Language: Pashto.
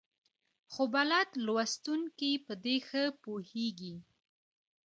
خو بلد لوستونکي په دې ښه پوهېږي.